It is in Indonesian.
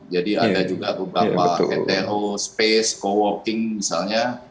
jadi ada juga beberapa hetero space co working misalnya